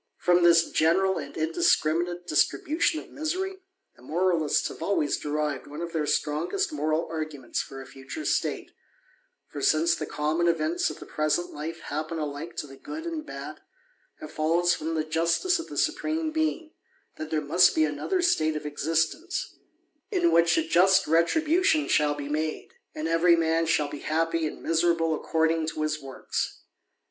."^Xom this general and indiscriminate distribution of ^'^^ry, the moralists have always derived one of their ^tigest moral arguments for a future state ; for since the ^^^^^mon events of the present life happen alike to the good ^'^^ bad, it follows from the justice of the Supreme Being, ^^ there must be another state of existence^ in which a just 26o THE ADVENTURER. retribution shall be made, and every man shall be happy and miserable according to his works.